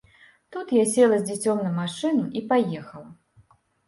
Тут я села з дзіцём на машыну і паехала.